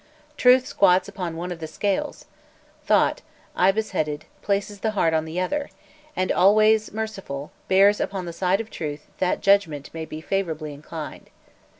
Truth squats upon one of the scales; Thot, ibis headed, places the heart on the other, and always merciful, bears upon the side of Truth that judgment may be favourably inclined.